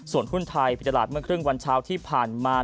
ส่วนหุ้นไทยผิดตลาดเมื่อครึ่งวันเช้าที่ผ่านมา